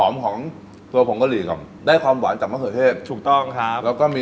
มีความหอม